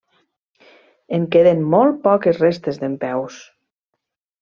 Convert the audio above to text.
En queden molt poques restes dempeus.